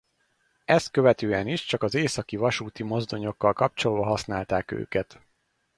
Ezt követően is csak az Északi vasúti mozdonyokkal kapcsolva használták őket.